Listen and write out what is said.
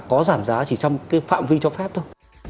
có giảm giá chỉ trong cái phạm vi cho phép thôi